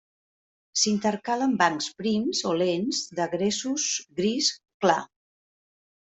S'intercalen bancs prims o lents de gresos gris clar.